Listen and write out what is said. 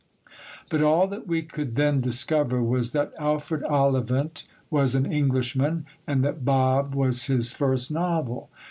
But all that we could then discover was that Alfred Ollivant was an Englishman, and that Bob was his first novel.